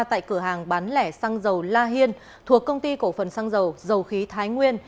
tại cửa hàng bán lẻ xăng dầu la hiên thuộc công ty cổ phần xăng dầu dầu khí thái nguyên